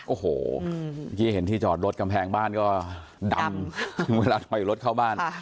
โอ้โหเมื่อกี้เห็นที่จอดรถกำแพงบ้านก็ดำเวลาถอยรถเข้าบ้าน